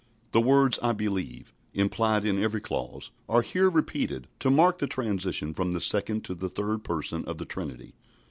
The words "I believe," implied in every clause, are here repeated, to mark the transition from the Second to the Third Person of the Trinity.